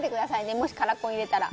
もしカラコン入れたら。